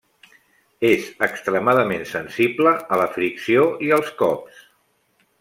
És extremadament sensible a la fricció i als cops.